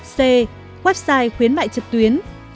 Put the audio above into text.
c website khuyến mại trực tuyến